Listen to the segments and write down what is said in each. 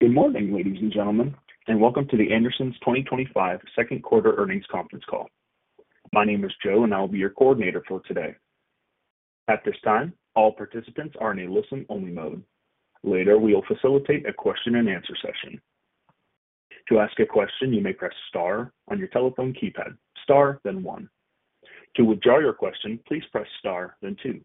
Good morning, ladies and gentlemen, and welcome to The Andersons 2025 Second Quarter Earnings Conference Call. My name is Joe, and I'll be your coordinator for today. At this time, all participants are in a listen-only mode. Later, we'll facilitate a question-and-answer session. To ask a question, you may press Star, on your telephone keypad, Star, then one. To withdraw your question, please press Star, then two.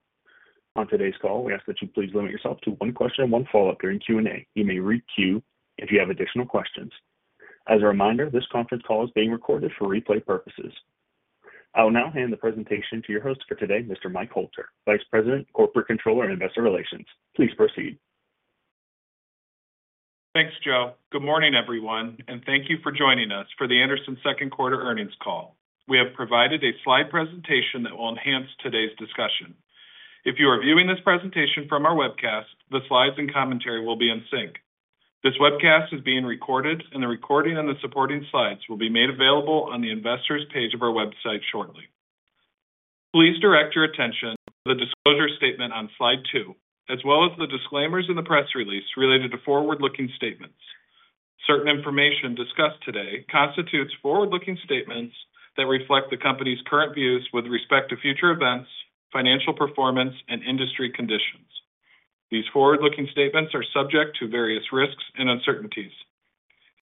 On today's call, we ask that you please limit yourself to one question and one follow-up during Q&A. You may re-queue if you have additional questions. As a reminder, this conference call is being recorded for replay purposes. I will now hand the presentation to your host for today, Mr. Mike Hoelter, Vice President, Corporate Controller, and Investor Relations. Please proceed. Thanks, Joe. Good morning, everyone, and thank you for joining us for The Andersons' Second Quarter Earnings Call. We have provided a slide presentation that will enhance today's discussion. If you are viewing this presentation from our webcast, the slides and commentary will be in sync. This webcast is being recorded, and the recording and the supporting slides will be made available on the investors' page of our website shortly. Please direct your attention to the disclosure statement on slide two, as well as the disclaimers in the press release related to forward-looking statements. Certain information discussed today constitutes forward-looking statements that reflect the company's current views with respect to future events, financial performance, and industry conditions. These forward-looking statements are subject to various risks and uncertainties.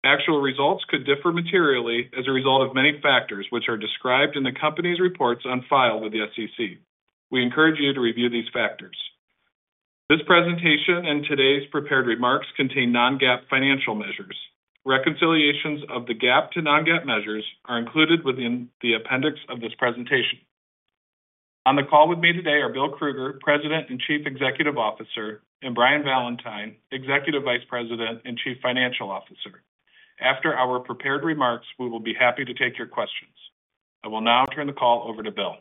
Actual results could differ materially as a result of many factors which are described in the company's reports on file with the SEC. We encourage you to review these factors. This presentation and today's prepared remarks contain non-GAAP financial measures. Reconciliations of the GAAP to non-GAAP measures are included within the appendix of this presentation. On the call with me today are Bill Krueger, President and Chief Executive Officer, and Brian Valentine, Executive Vice President and Chief Financial Officer. After our prepared remarks, we will be happy to take your questions. I will now turn the call over to Bill.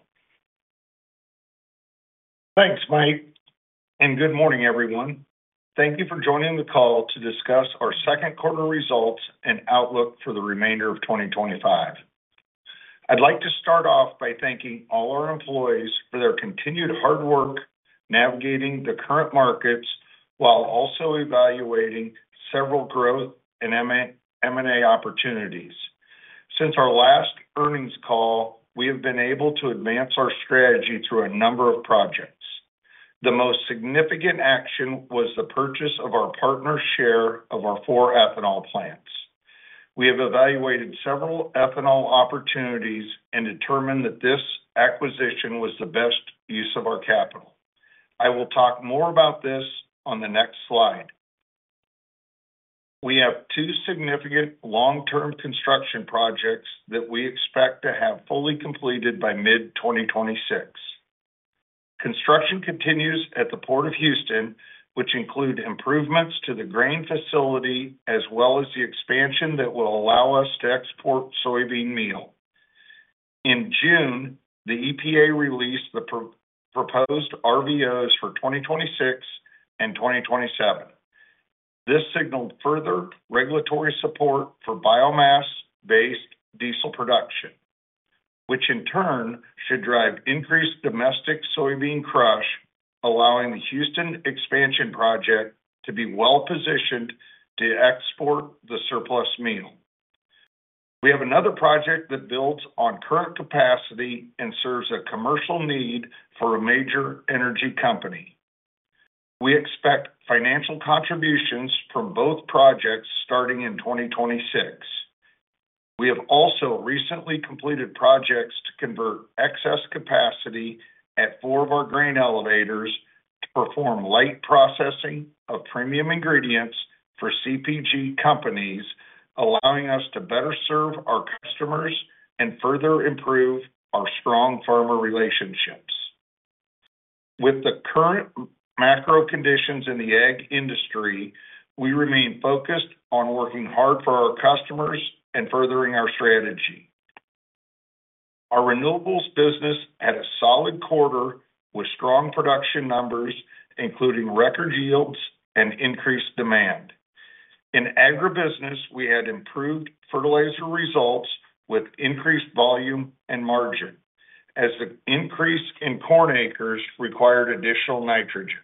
Thanks, Mike, and good morning, everyone. Thank you for joining the call to discuss our second quarter results and outlook for the remainder of 2025. I'd like to start off by thanking all our employees for their continued hard work navigating the current markets while also evaluating several growth and M&A opportunities. Since our last earnings call, we have been able to advance our strategy through a number of projects. The most significant action was the purchase of our partner's share of our four ethanol plants. We have evaluated several ethanol opportunities and determined that this acquisition was the best use of our capital. I will talk more about this on the next slide. We have two significant long-term construction projects that we expect to have fully completed by mid-2026. Construction continues at the Port of Houston, which includes improvements to the grain facility as well as the expansion that will allow us to export soybean meal. In June, the EPA released the proposed RVOs for 2026 and 2027. This signaled further regulatory support for biomass-based diesel production, which in turn should drive increased domestic soybean crush, allowing the Houston expansion project to be well-positioned to export the surplus meal. We have another project that builds on current capacity and serves a commercial need for a major energy company. We expect financial contributions from both projects starting in 2026. We have also recently completed projects to convert excess capacity at four of our grain elevators to perform light processing of premium ingredients for CPG companies, allowing us to better serve our customers and further improve our strong farmer relationships. With the current macro conditions in the ag industry, we remain focused on working hard for our customers and furthering our strategy. Our renewables business had a solid quarter with strong production numbers, including record yields and increased demand. In agribusiness, we had improved fertilizer results with increased volume and margin, as an increase in corn acres required additional nitrogen.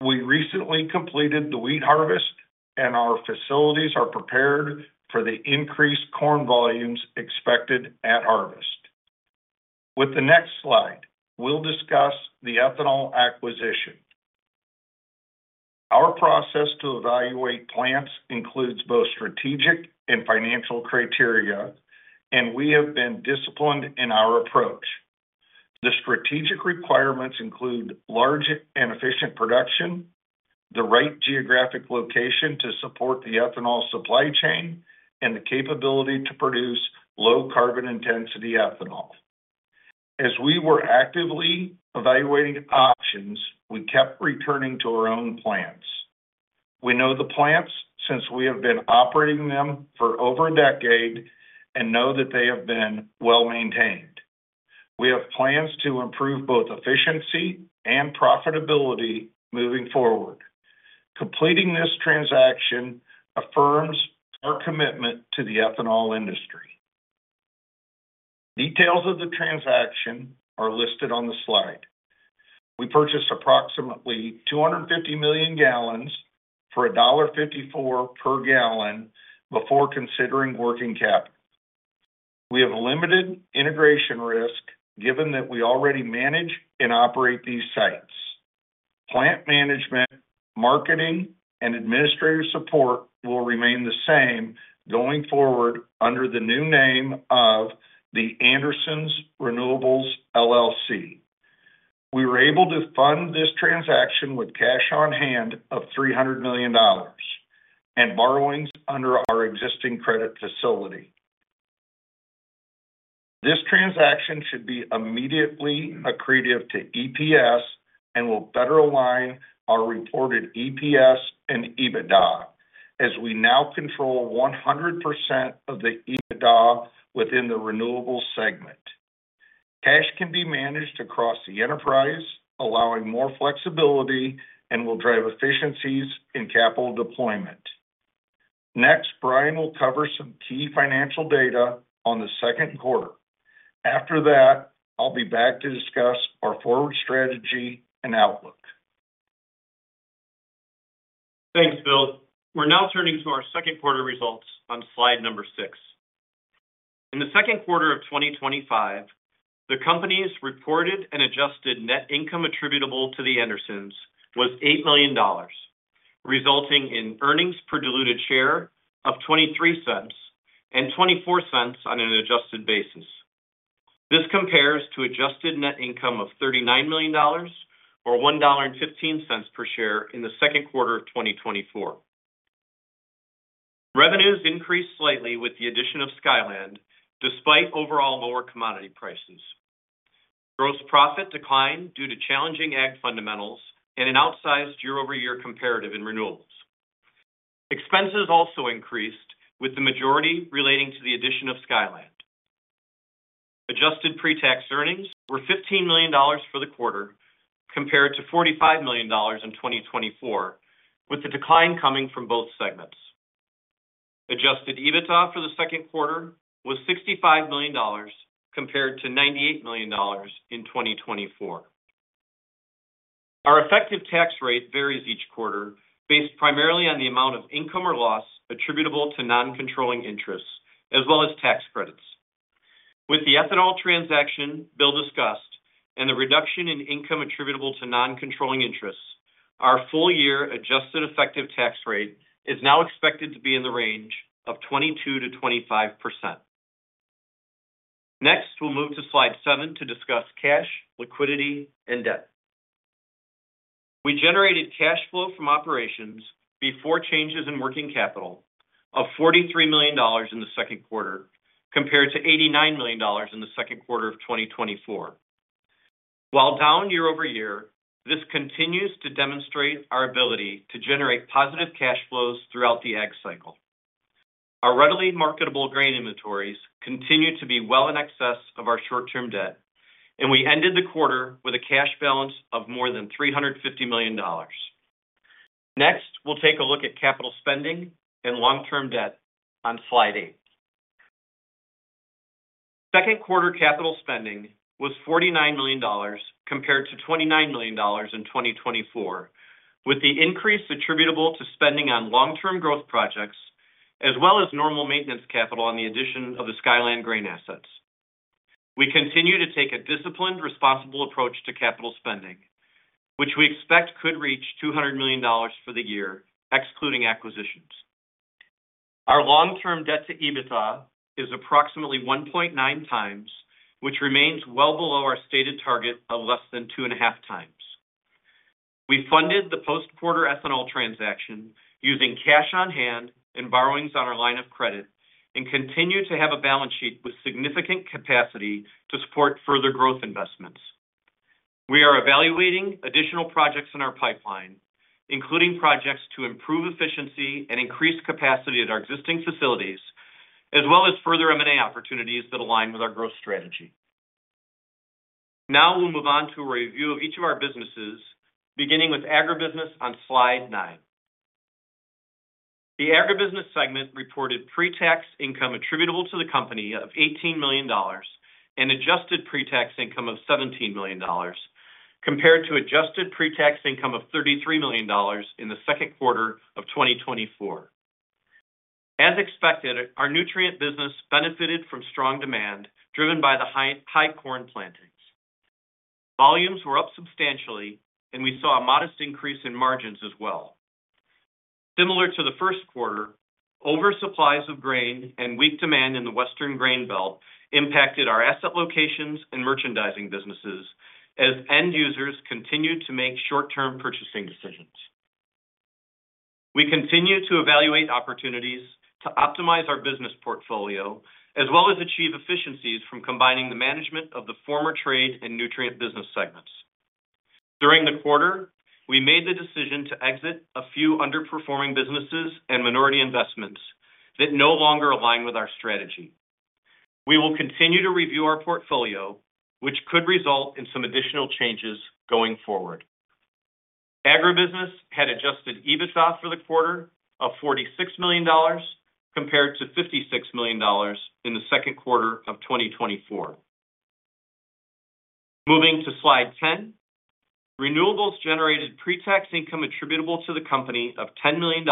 We recently completed the wheat harvest, and our facilities are prepared for the increased corn volumes expected at harvest. With the next slide, we'll discuss the ethanol acquisition. Our process to evaluate plants includes both strategic and financial criteria, and we have been disciplined in our approach. The strategic requirements include large and efficient production, the right geographic location to support the ethanol supply chain, and the capability to produce low carbon intensity ethanol. As we were actively evaluating options, we kept returning to our own plants. We know the plants since we have been operating them for over a decade and know that they have been well maintained. We have plans to improve both efficiency and profitability moving forward. Completing this transaction affirms our commitment to the ethanol industry. Details of the transaction are listed on the slide. We purchased approximately 250 million gallons for $1.54 per gallon before considering working capital. We have limited integration risk given that we already manage and operate these setups. Plant management, marketing, and administrative support will remain the same going forward under the new name of Andersons Renewables, LLC.. We were able to fund this transaction with cash on hand of $300 million and borrowings under our existing credit facility. This transaction should be immediately accretive to EPS and will better align our reported EPS and EBITDA, as we now control 100% of the EBITDA within the renewable segment. Cash can be managed across the enterprise, allowing more flexibility, and will drive efficiencies in capital deployment. Next, Brian will cover some key financial data on the second quarter. After that, I'll be back to discuss our forward strategy and outlook. Thanks, Bill. We're now turning to our second quarter results on slide number six. In the second quarter of 2025, the company's reported and adjusted net income attributable to The Andersons was $8 million, resulting in earnings per diluted share of $0.23 and $0.24 on an adjusted basis. This compares to adjusted net income of $39 million or $1.15 per share in the second quarter of 2024. Revenues increased slightly with the addition of Skyland Grain, despite overall lower commodity prices. Gross profit declined due to challenging ag fundamentals and an outsized year-over-year comparative in renewables. Expenses also increased with the majority relating to the addition of Skyland Grain. Adjusted pre-tax earnings were $15 million for the quarter compared to $45 million in 2024, with the decline coming from both segments. Adjusted EBITDA for the second quarter was $65 million compared to $98 million in 2024. Our effective tax rate varies each quarter based primarily on the amount of income or loss attributable to non-controlling interests, as well as tax credits. With the ethanol transaction Bill discussed and the reduction in income attributable to non-controlling interests, our full-year adjusted effective tax rate is now expected to be in the range of 22%-25%. Next, we'll move to slide seven to discuss cash, liquidity, and debt. We generated cash flow from operations before changes in working capital of $43 million in the second quarter compared to $89 million in the second quarter of 2024. While down year-over-year, this continues to demonstrate our ability to generate positive cash flows throughout the ag cycle. Our readily marketable grain inventories continue to be well in excess of our short-term debt, and we ended the quarter with a cash balance of more than $350 million. Next, we'll take a look at capital spending and long-term debt on slide eight. Second quarter capital spending was $49 million compared to $29 million in 2024, with the increase attributable to spending on long-term growth projects, as well as normal maintenance capital on the addition of the Skyland Grain assets. We continue to take a disciplined, responsible approach to capital spending, which we expect could reach $200 million for the year, excluding acquisitions. Our long-term debt to EBITDA is approximately 1.9x, which remains well below our stated target of less than 2.5x. We funded the post-quarter ethanol transaction using cash on hand and borrowings on our line of credit, and continue to have a balance sheet with significant capacity to support further growth investments. We are evaluating additional projects in our pipeline, including projects to improve efficiency and increase capacity at our existing facilities, as well as further M&A opportunities that align with our growth strategy. Now we'll move on to a review of each of our businesses, beginning with Agribusiness on slide nine. The Agribusiness segment reported pre-tax income attributable to the company of $18 million and adjusted pre-tax income of $17 million compared to adjusted pre-tax income of $33 million in the second quarter of 2024. As expected, our nutrient business benefited from strong demand driven by the high corn plantings. Volumes were up substantially, and we saw a modest increase in margins as well. Similar to the first quarter, oversupplies of grain and weak demand in the Western Grain Belt impacted our asset locations and merchandising businesses as end users continued to make short-term purchasing decisions. We continue to evaluate opportunities to optimize our business portfolio, as well as achieve efficiencies from combining the management of the former Trade and Nutrient business segments. During the quarter, we made the decision to exit a few underperforming businesses and minority investments that no longer align with our strategy. We will continue to review our portfolio, which could result in some additional changes going forward. Agribusiness had adjusted EBITDA for the quarter of $46 million compared to $56 million in the second quarter of 2024. Moving to slide 10, Renewables generated pre-tax income attributable to the company of $10 million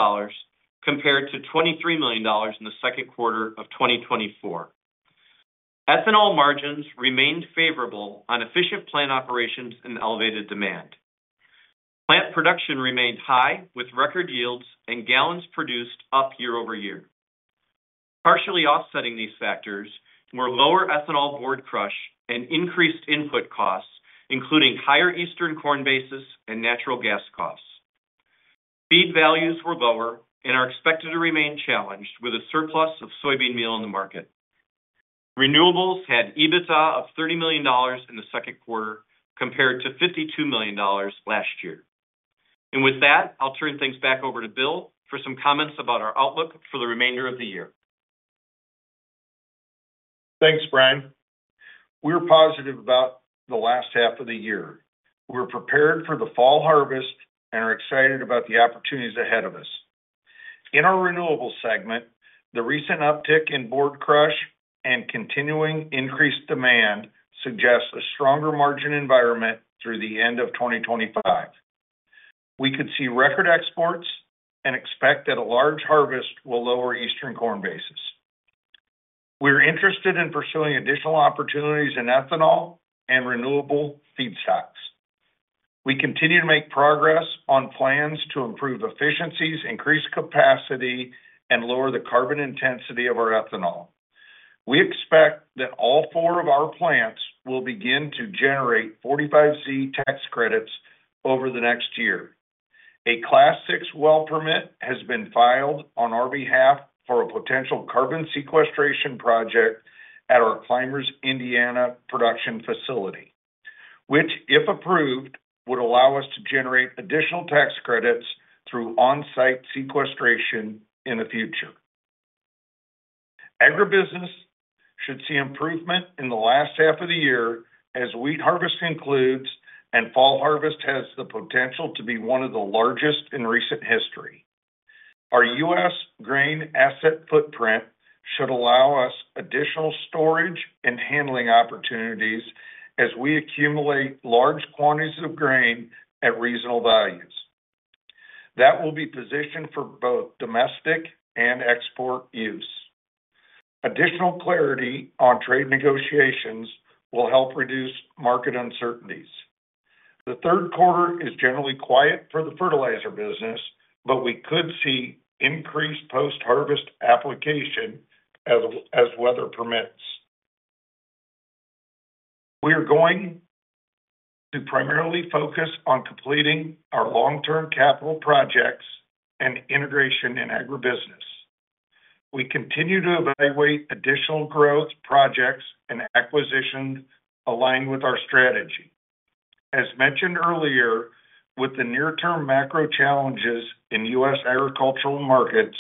compared to $23 million in the second quarter of 2024. Ethanol margins remained favorable on efficient plant operations and elevated demand. Plant production remained high with record yields and gallons produced up year-over-year. Partially offsetting these factors were lower ethanol board crush and increased input costs, including higher Eastern corn basis and natural gas costs. Feed values were lower and are expected to remain challenged with a surplus of soybean meal in the market. Renewables had EBITDA of $30 million in the second quarter compared to $52 million last year. With that, I'll turn things back over to Bill for some comments about our outlook for the remainder of the year. Thanks, Brian. We're positive about the last half of the year. We're prepared for the fall harvest and are excited about the opportunities ahead of us. In our renewables segment, the recent uptick in board crush and continuing increased demand suggest a stronger margin environment through the end of 2025. We could see record exports and expect that a large harvest will lower Eastern corn basis. We're interested in pursuing additional opportunities in ethanol and renewable feedstocks. We continue to make progress on plans to improve efficiencies, increase capacity, and lower the carbon intensity of our ethanol. We expect that all four of our plants will begin to generate 45C tax credits over the next year. A Class six well permit has been filed on our behalf for a potential carbon sequestration project at our Clymers, Indiana, production facility, which, if approved, would allow us to generate additional tax credits through on-site sequestration in the future. Agribusiness should see improvement in the last half of the year as wheat harvest concludes and fall harvest has the potential to be one of the largest in recent history. Our U.S. grain asset footprint should allow us additional storage and handling opportunities as we accumulate large quantities of grain at reasonable values. That will be positioned for both domestic and export use. Additional clarity on trade negotiations will help reduce market uncertainties. The third quarter is generally quiet for the fertilizer business, but we could see increased post-harvest application as weather permits. We are going to primarily focus on completing our long-term capital projects and integration in agribusiness. We continue to evaluate additional growth projects and acquisitions aligned with our strategy. As mentioned earlier, with the near-term macro challenges in U.S. agricultural markets,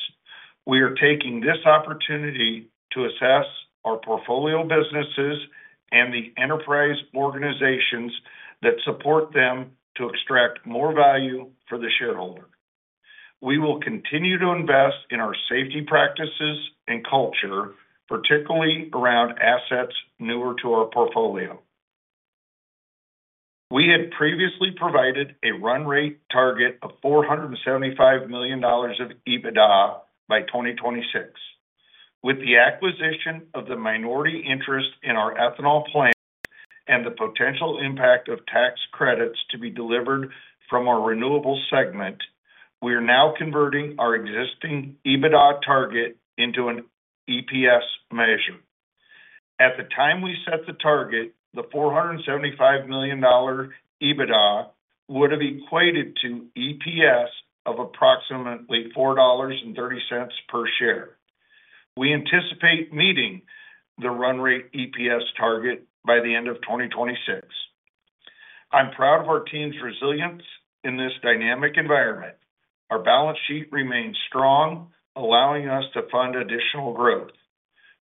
we are taking this opportunity to assess our portfolio businesses and the enterprise organizations that support them to extract more value for the shareholder. We will continue to invest in our safety practices and culture, particularly around assets newer to our portfolio. We had previously provided a run-rate target of $475 million of EBITDA by 2026. With the acquisition of the minority interest in our ethanol plant and the potential impact of tax credits to be delivered from our renewables segment, we are now converting our existing EBITDA target into an EPS measure. At the time we set the target, the $475 million EBITDA would have equated to EPS of approximately $4.30 per share. We anticipate meeting the run-rate EPS target by the end of 2026. I'm proud of our team's resilience in this dynamic environment. Our balance sheet remains strong, allowing us to fund additional growth.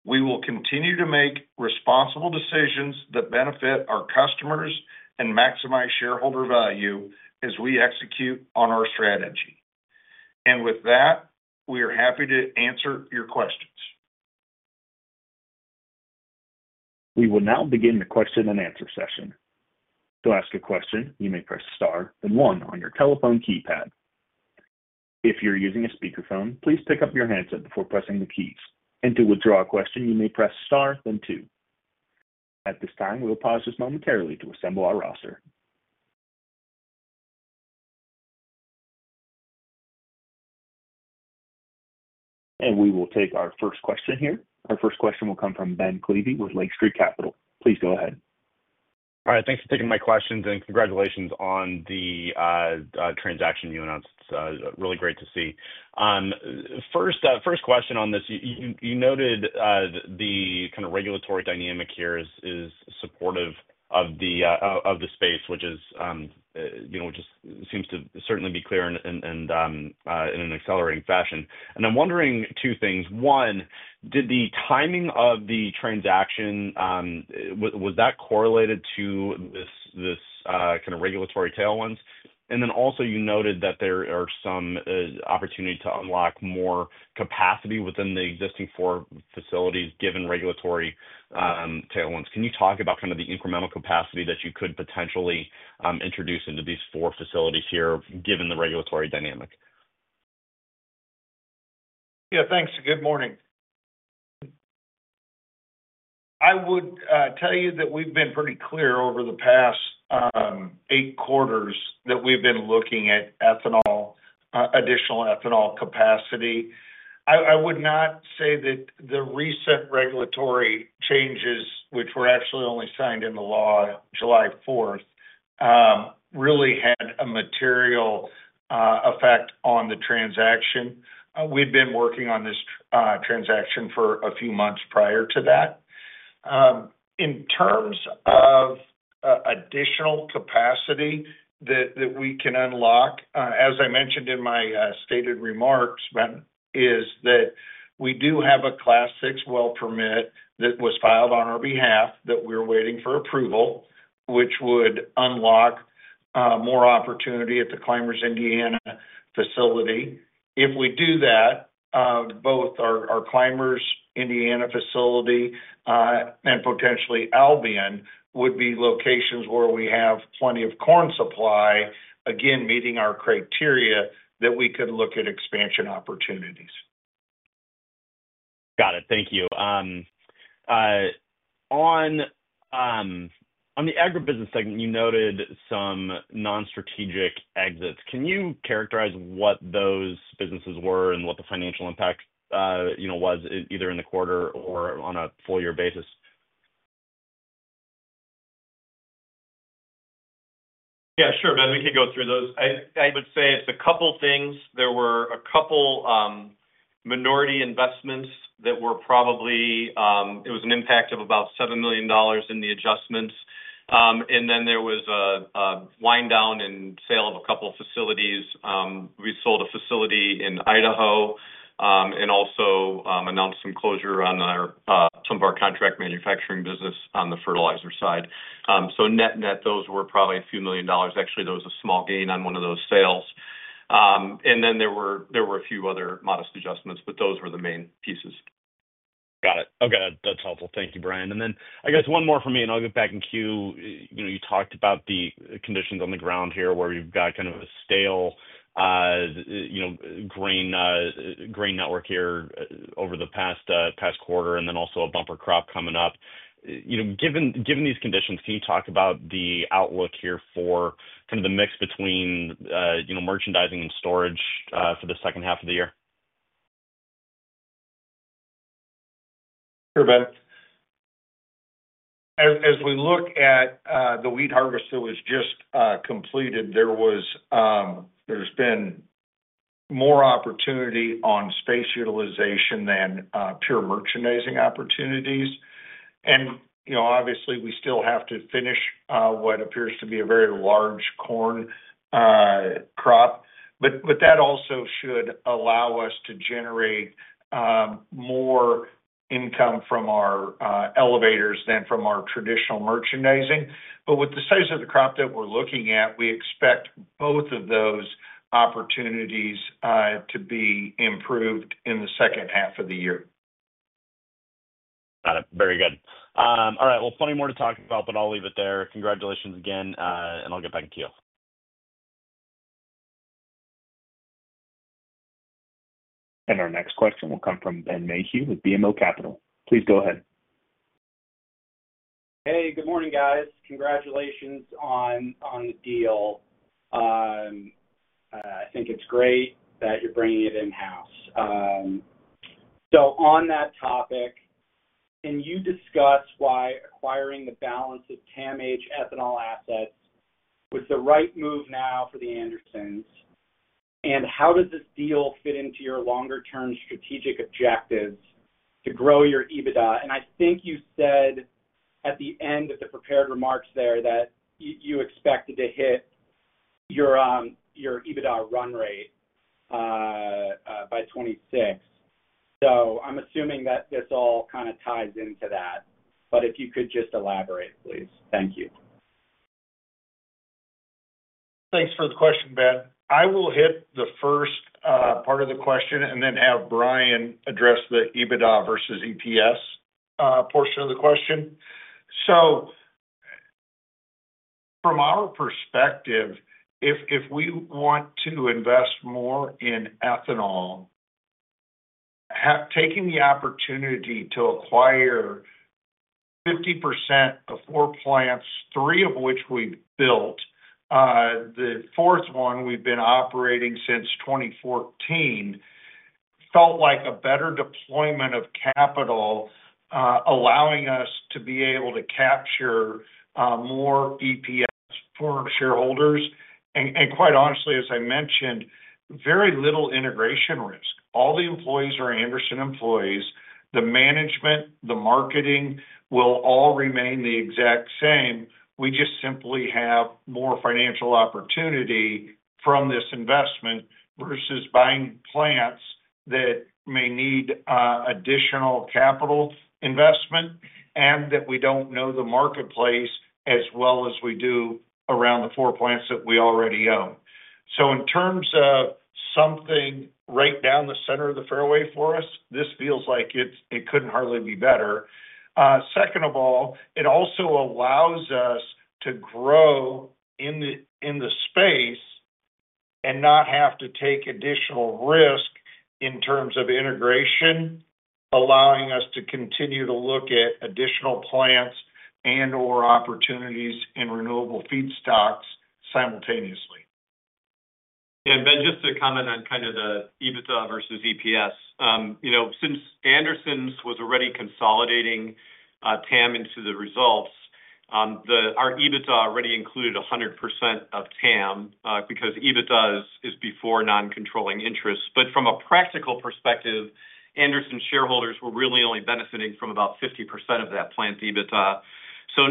We will continue to make responsible decisions that benefit our customers and maximize shareholder value as we execute on our strategy. With that, we are happy to answer your questions. We will now begin the question-and-answer session. To ask a question, you may press Star, then one on your telephone keypad. If you're using a speakerphone, please pick up your headset before pressing the keys. To withdraw a question, you may press Star, then two. At this time, we'll pause just momentarily to assemble our roster. Our first question will come from Ben Klieve with Lake Street Capital. Please go ahead. All right, thanks for taking my questions and congratulations on the transaction you announced. It's really great to see. First question on this. You noted the kind of regulatory dynamic here is supportive of the space, which is, you know, which seems to certainly be clear and in an accelerating fashion. I'm wondering two things. One, did the timing of the transaction, was that correlated to this kind of regulatory tailwinds? Also, you noted that there are some opportunities to unlock more capacity within the existing four facilities given regulatory tailwinds. Can you talk about the incremental capacity that you could potentially introduce into these four facilities here given the regulatory dynamic? Yeah, thanks. Good morning. I would tell you that we've been pretty clear over the past eight quarters that we've been looking at ethanol, additional ethanol capacity. I would not say that the recent regulatory changes, which were actually only signed into law July 4th, really had a material effect on the transaction. We'd been working on this transaction for a few months prior to that. In terms of additional capacity that we can unlock, as I mentioned in my stated remarks, Ben, is that we do have a Class six well permit that was filed on our behalf that we're waiting for approval, which would unlock more opportunity at the Clymers, Indiana, facility. If we do that, both our Clymers, Indiana facility and potentially Albion would be locations where we have plenty of corn supply, again, meeting our criteria that we could look at expansion opportunities. Got it. Thank you. On the agribusiness segment, you noted some non-strategic exits. Can you characterize what those businesses were and what the financial impact was, you know, either in the quarter or on a full-year basis? Yeah, sure, Ben. We can go through those. I would say a couple of things. There were a couple of minority investments that were probably, it was an impact of about $7 million in the adjustments, and then there was a wind-down and sale of a couple of facilities. We sold a facility in Idaho, and also announced some closure on some of our contract manufacturing business on the fertilizer side. Net-net, those were probably a few million dollars. Actually, there was a small gain on one of those sales, and then there were a few other modest adjustments, but those were the main pieces. Got it. Okay, that's helpful. Thank you, Brian. I guess one more for me, and I'll get back in queue. You talked about the conditions on the ground here where you've got kind of a stale grain network here over the past quarter, and also a bumper crop coming up. Given these conditions, can you talk about the outlook here for kind of the mix between merchandising and storage for the second half of the year? Sure, Ben. As we look at the wheat harvest that was just completed, there's been more opportunity on space utilization than pure merchandising opportunities. You know, obviously, we still have to finish what appears to be a very large corn crop. That also should allow us to generate more income from our elevators than from our traditional merchandising. With the size of the crop that we're looking at, we expect both of those opportunities to be improved in the second half of the year. Got it. Very good. All right, plenty more to talk about, but I'll leave it there. Congratulations again, and I'll get back in queue. Our next question will come from Ben Mayhew with BMO Capital. Please go ahead. Hey, good morning, guys. Congratulations on the deal. I think it's great that you're bringing it in-house. On that topic, can you discuss why acquiring the balance of TAMH ethanol assets was the right move now for The Andersons? How does this deal fit into your longer-term strategic objectives to grow your EBITDA? I think you said at the end of the prepared remarks that you expected to hit your EBITDA run rate by 2026. I'm assuming that this all kind of ties into that. If you could just elaborate, please. Thank you. Thanks for the question, Ben. I will hit the first part of the question and then have Brian address the EBITDA versus EPS portion of the question. From our perspective, if we want to invest more in ethanol, taking the opportunity to acquire 50% of four plants, three of which we've built, the fourth one we've been operating since 2014, felt like a better deployment of capital, allowing us to be able to capture more EPS for our shareholders. Quite honestly, as I mentioned, very little integration risk. All the employees are Anderson employees. The management and the marketing will all remain the exact same. We just simply have more financial opportunity from this investment versus buying plants that may need additional capital investment and that we don't know the marketplace as well as we do around the four plants that we already own. In terms of something right down the center of the fairway for us, this feels like it couldn't hardly be better. Second of all, it also allows us to grow in the space and not have to take additional risk in terms of integration, allowing us to continue to look at additional plants and or opportunities in renewable feedstocks simultaneously. To comment on the EBITDA versus EPS, since The Andersons was already consolidating TAM into the results, our EBITDA already included 100% of TAM, because EBITDA is before non-controlling interests. From a practical perspective, Andersons shareholders were really only benefiting from about 50% of that plant EBITDA.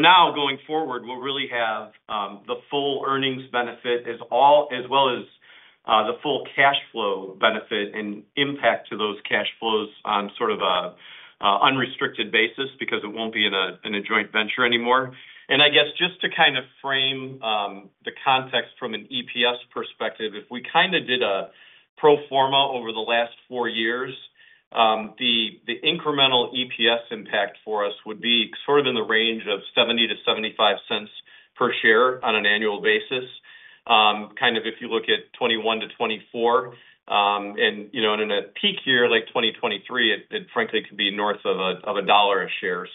Now going forward, we'll really have the full earnings benefit as well as the full cash flow benefit and impact to those cash flows on an unrestricted basis because it won't be in a joint venture anymore. To frame the context from an EPS perspective, if we did a pro forma over the last four years, the incremental EPS impact for us would be in the range of $0.70-$0.75 per share on an annual basis if you look at 2021 to 2024, and at a peak year like 2023, it frankly could be north of $1.00 a share.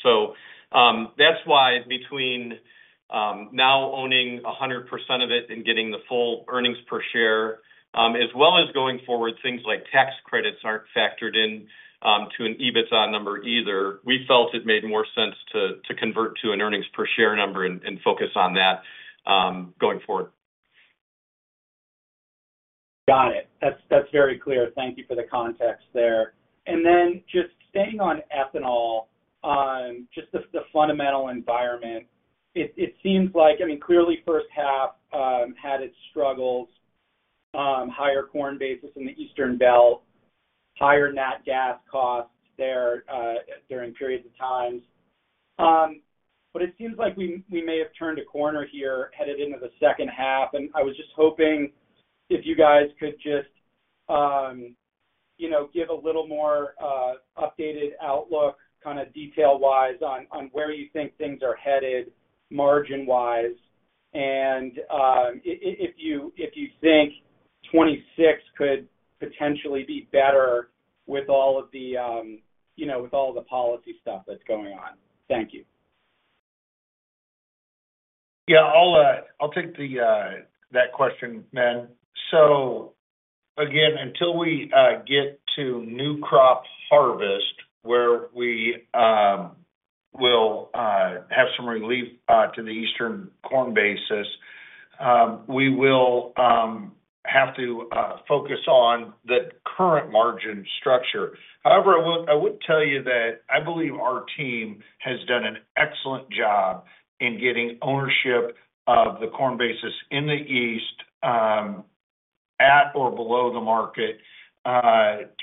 That is why between now owning 100% of it and getting the full earnings per share, as well as going forward, things like tax credits aren't factored in to an EBITDA number either. We felt it made more sense to convert to an earnings per share number and focus on that going forward. Got it. That's very clear. Thank you for the context there. Just staying on ethanol, the fundamental environment, it seems like, I mean, clearly first half had its struggles, higher corn basis in the Eastern Belt, higher nat gas costs there during periods of time. It seems like we may have turned a corner here headed into the second half. I was just hoping if you guys could give a little more updated outlook, kind of detail-wise, on where you think things are headed margin-wise. If you think 2026 could potentially be better with all of the policy stuff that's going on. Thank you. I'll take that question then. Until we get to new crop harvest where we will have some relief to the Eastern corn basis, we will have to focus on the current margin structure. However, I would tell you that I believe our team has done an excellent job in getting ownership of the corn basis in the east at or below the market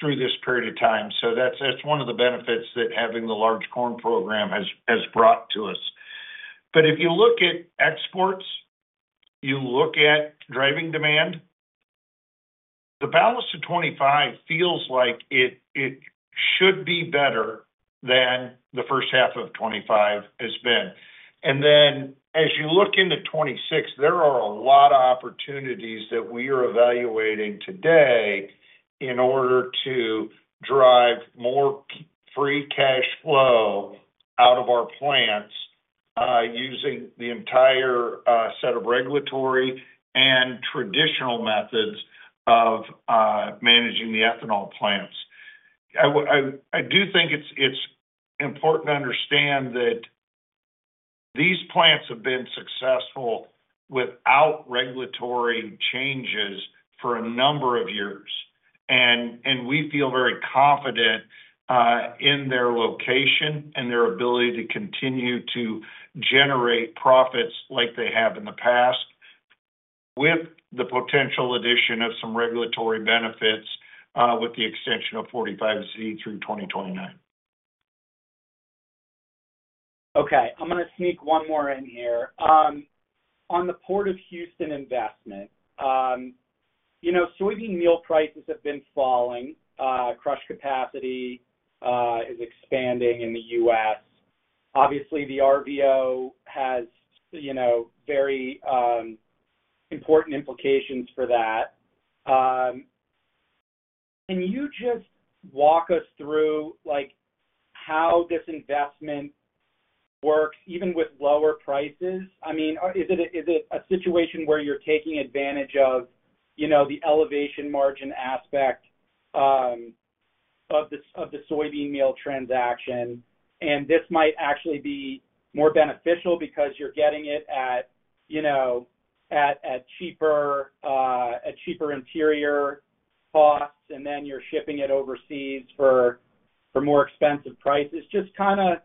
through this period of time. That's one of the benefits that having the large corn program has brought to us. If you look at exports, you look at driving demand, the balance of 2025 feels like it should be better than the first half of 2025 has been. As you look into 2026, there are a lot of opportunities that we are evaluating today in order to drive more free cash flow out of our plants, using the entire set of regulatory and traditional methods of managing the ethanol plants. I do think it's important to understand that these plants have been successful without regulatory changes for a number of years. We feel very confident in their location and their ability to continue to generate profits like they have in the past with the potential addition of some regulatory benefits with the extension of 45C through 2029. Okay. I'm going to sneak one more in here. On the Port of Houston investment, you know, soybean meal prices have been falling. Crush capacity is expanding in the U.S. Obviously, the RVO has, you know, very important implications for that. Can you just walk us through, like, how this investment works even with lower prices? I mean, is it a situation where you're taking advantage of, you know, the elevation margin aspect of the soybean meal transaction? This might actually be more beneficial because you're getting it at, you know, at cheaper, at interior costs, and then you're shipping it overseas for more expensive prices. Just kind of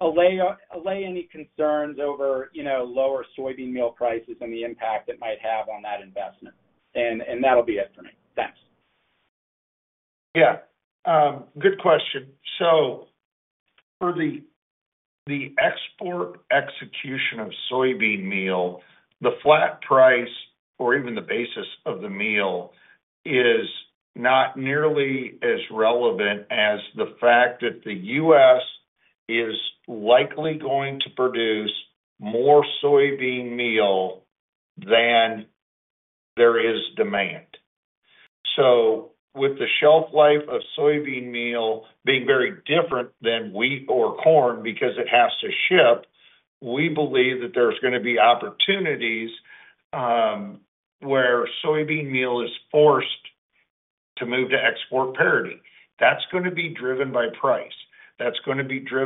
allay any concerns over, you know, lower soybean meal prices and the impact it might have on that investment. That'll be it for me. Thanks. Yeah, good question. For the export execution of soybean meal, the flat price or even the basis of the meal is not nearly as relevant as the fact that the U.S. is likely going to produce more soybean meal than there is demand. With the shelf life of soybean meal being very different than wheat or corn because it has to ship, we believe that there's going to be opportunities where soybean meal is forced to move to export parity. That is going to be driven by price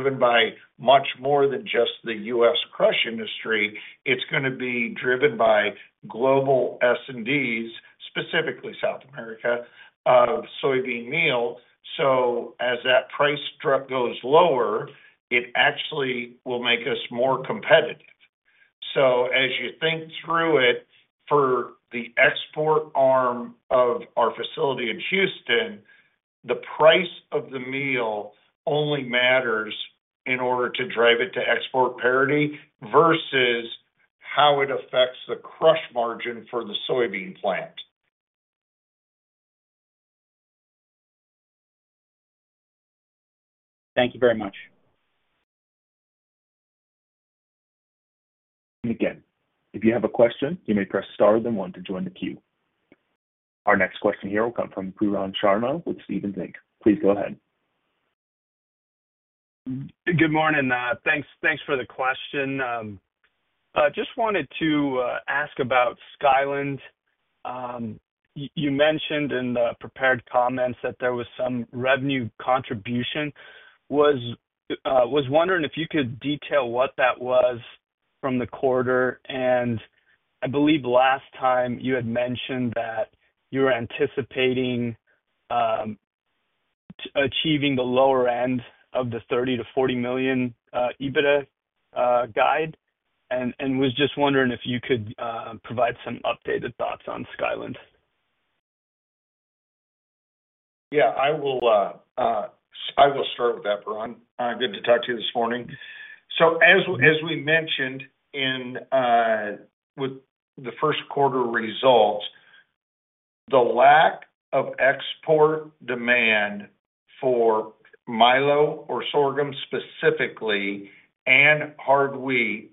and by much more than just the U.S. crush industry. It is going to be driven by global S&Ds, specifically South America, of soybean meal. As that price structure goes lower, it actually will make us more competitive. As you think through it for the export arm of our facility in Houston, the price of the meal only matters in order to drive it to export parity versus how it affects the crush margin for the soybean plant. Thank you very much. If you have a question, you may press Star, then one to join the queue. Our next question will come from Pooran Sharma with Stephens. Please go ahead. Good morning. Thanks for the question. I just wanted to ask about Skyland. You mentioned in the prepared comments that there was some revenue contribution. I was wondering if you could detail what that was from the quarter. I believe last time you had mentioned that you were anticipating achieving the lower end of the $30-$40 million EBITDA guide. I was just wondering if you could provide some updated thoughts on Skyland. Yeah, I will start with that, Brian. Good to talk to you this morning. As we mentioned in the first quarter results, the lack of export demand for milo or sorghum specifically and hard wheat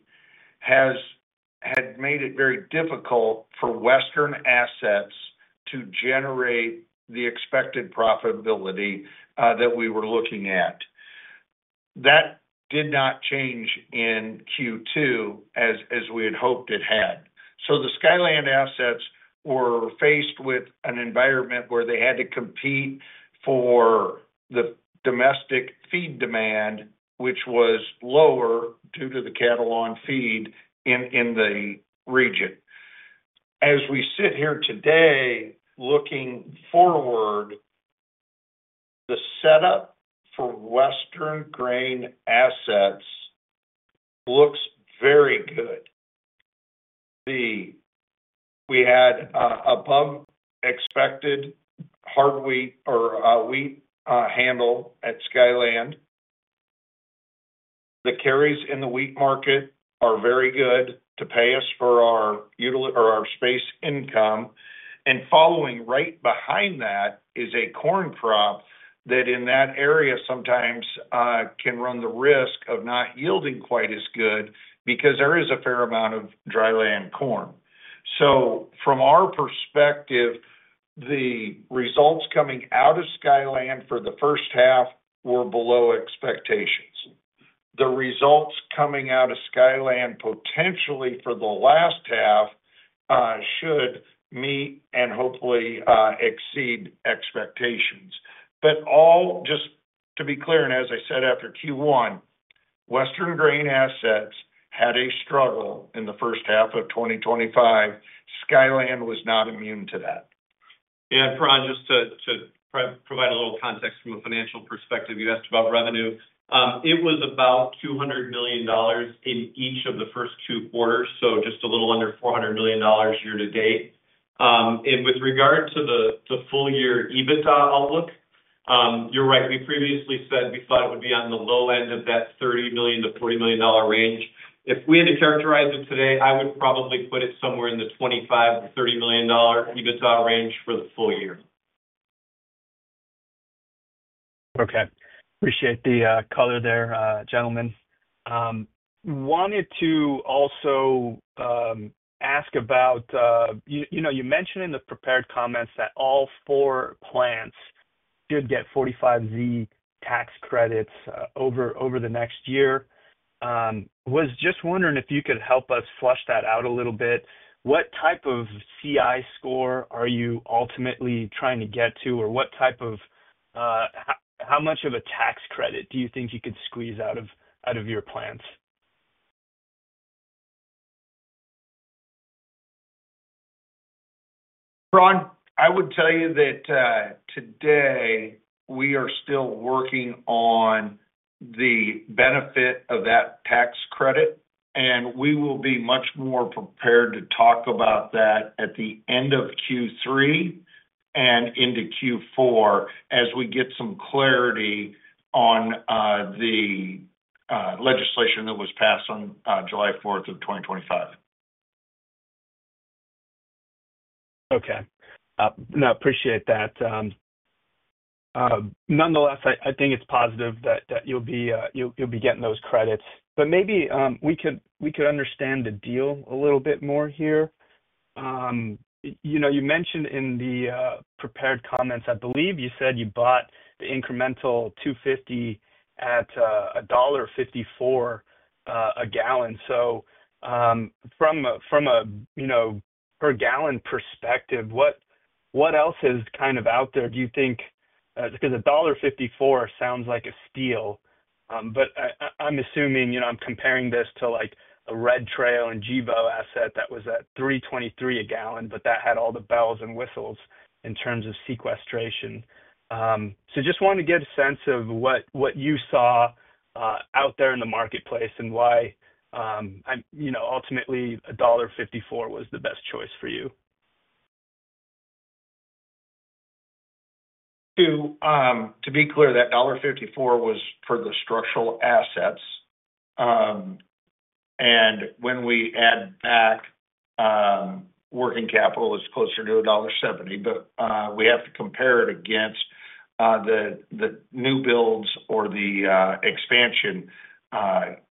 has made it very difficult for Western assets to generate the expected profitability that we were looking at. That did not change in Q2 as we had hoped it had. The Skyland assets were faced with an environment where they had to compete for the domestic feed demand, which was lower due to the cattle on feed in the region. As we sit here today, looking forward, the setup for Western grain assets looks very good. We had above expected hard wheat or wheat handle at Skyland. The carries in the wheat market are very good to pay us for our space income. Following right behind that is a corn crop that in that area sometimes can run the risk of not yielding quite as good because there is a fair amount of dry land corn. From our perspective, the results coming out of Skyland for the first half were below expectations. The results coming out of Skyland potentially for the last half should meet and hopefully exceed expectations. Just to be clear, and as I said after Q1, Western grain assets had a struggle in the first half of 2025. Skyland was not immune to that. Yeah, Brian, just to provide a little context from a financial perspective, you asked about revenue. It was about $200 million in each of the first two quarters, so just a little under $400 million year to date. With regard to the full-year EBITDA outlook, you're right. We previously said we thought it would be on the low end of that $30 million-$40 million range. If we had to characterize it today, I would probably put it somewhere in the $25 million-$30 million EBITDA range for the full year. Okay. Appreciate the color there, gentlemen. I wanted to also ask about, you know, you mentioned in the prepared comments that all four plants did get 45C tax credits over the next year. I was just wondering if you could help us flush that out a little bit. What type of CI score are you ultimately trying to get to, or what type of, how much of a tax credit do you think you could squeeze out of your plants? Pooran, I would tell you that today we are still working on the benefit of that tax credit, and we will be much more prepared to talk about that at the end of Q3 and into Q4 as we get some clarity on the legislation that was passed on July 4, 2025. Okay, I appreciate that. Nonetheless, I think it's positive that you'll be getting those credits. Maybe we could understand the deal a little bit more here. You mentioned in the prepared comments, I believe you said you bought the incremental $2.50-$1.54 a gallon. From a per gallon perspective, what else is kind of out there, do you think? Because $1.54 sounds like a steal. I'm assuming, I'm comparing this to like a Red Trail and Gevo asset that was at $3.23 a gallon, but that had all the bells and whistles in terms of sequestration. I just wanted to get a sense of what you saw out there in the marketplace and why $1.54 was the best choice for you. To be clear, that $1.54 was for the structural assets. When we added that, working capital is closer to $1.70, but we have to compare it against the new builds or the expansion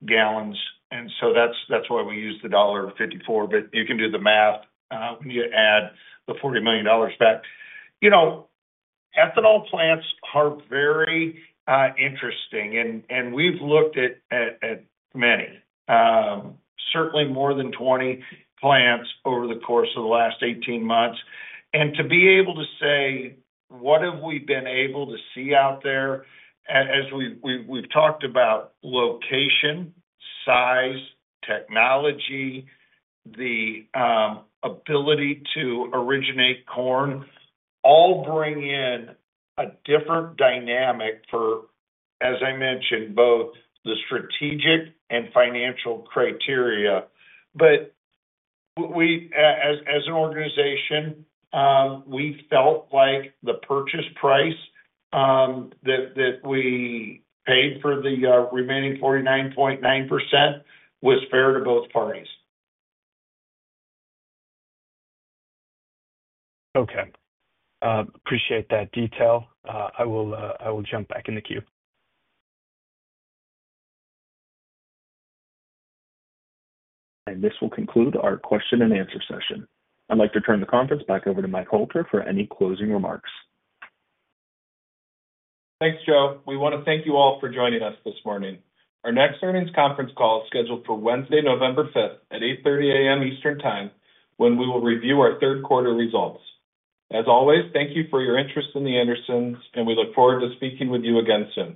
gallons. That is why we use the $1.54. You can do the math when you add the $40 million back. You know, ethanol plants are very interesting. We've looked at many, certainly more than 20 plants over the course of the last 18 months. To be able to say, what have we been able to see out there? As we've talked about location, size, technology, the ability to originate corn, all bring in a different dynamic for, as I mentioned, both the strategic and financial criteria. As an organization, we felt like the purchase price that we paid for the remaining 49.9% was fair to both parties. Okay, appreciate that detail. I will jump back in the queue. This will conclude our question and-answer session. I'd like to turn the conference back over to Mike Hoelter for any closing remarks. Thanks, Joe. We want to thank you all for joining us this morning. Our next earnings conference call is scheduled for Wednesday, November 5, at 8:30 A.M. Eastern Time, when we will review our third quarter results. As always, thank you for your interest in The Andersons, and we look forward to speaking with you again soon.